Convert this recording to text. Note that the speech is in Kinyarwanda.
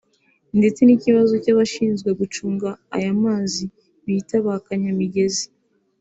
ndetse n’ikibazo cy’abashinzwe gucunga aya mazi bita ba kanyamigezi